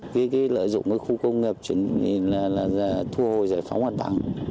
vì lợi dụng khu công nghiệp là thu hồi giải phóng mặt bằng